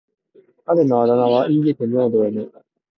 彼のあだ名は言い得て妙だよね。